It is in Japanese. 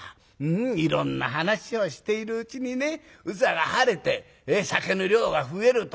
いろんな話をしているうちにね憂さが晴れて酒の量が増えると。